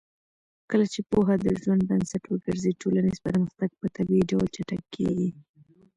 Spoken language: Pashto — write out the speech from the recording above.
کله چې پوهه د ژوند بنسټ وګرځي، ټولنیز پرمختګ په طبیعي ډول چټکېږي.